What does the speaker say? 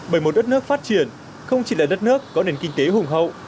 bởi một đất nước phát triển không chỉ là đất nước có nền kinh tế hùng hậu